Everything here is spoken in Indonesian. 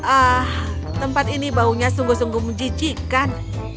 ah tempat ini baunya sungguh sungguh menjijikan